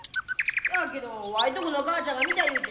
そやけどわいとこの母ちゃんが見た言うて。